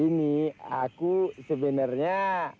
ini aku sebenernya